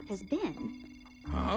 はあ？